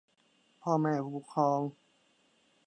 พ่อแม่ผู้ปกครอง